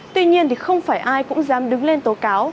tuy nhiên thì không phải ai cũng dám đứng lên tố cáo